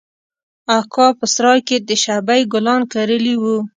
اکا په سراى کښې د شبۍ ګلان کرلي وو.